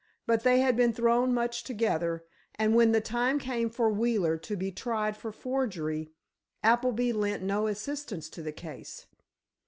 But they had been thrown much together, and when the time came for Wheeler to be tried for forgery, Appleby lent no assistance to the case.